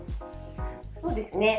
そうですね。